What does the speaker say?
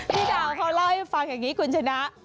พี่ดาวเขาเล่าให้ฟังอย่างนี้คุณชนะ